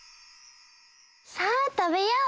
さあたべよう！